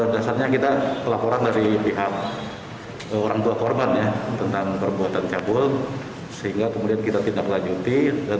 dasarnya kita kelaporan dari pihak orang tua korban tentang perbuatan cabul sehingga kemudian kita tidak lanjuti